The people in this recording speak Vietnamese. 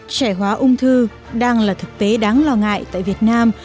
trẻ hóa ung thư đang là thực tế đáng lo ngại tại việt nam